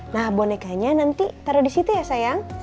nah bonekanya nanti taruh di situ ya sayang